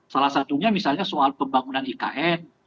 salah satunya misalnya soal pembangunan ikn